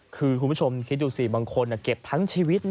คือคุณผู้ชมคิดดูสิบางคนเก็บทั้งชีวิต